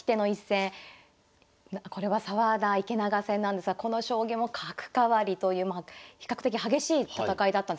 これは澤田・池永戦なんですがこの将棋も角換わりという比較的激しい戦いだった。